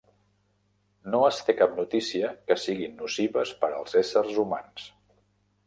No es té cap notícia que siguin nocives per als éssers humans.